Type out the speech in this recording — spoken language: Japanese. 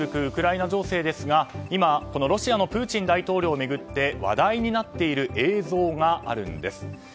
ウクライナ情勢ですが今、ロシアのプーチン大統領を巡って話題になっている映像があるんです。